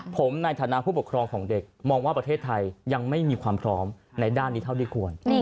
ผมในฐานะผู้ปกครองของเด็กมองว่าประเทศไทยยังไม่มีความพร้อมในด้านนี้เท่าที่ควร